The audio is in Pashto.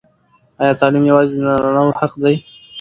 ایا تعلیم یوازې د نارینه وو حق دی؟